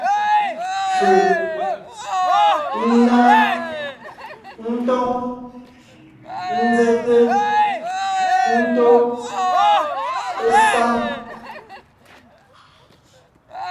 Fʉʼ: ńná, ńtóŋ, ńzɛ́te, ńtó, ésáŋ.